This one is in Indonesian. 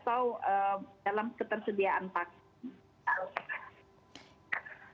atau dalam ketersediaan vaksin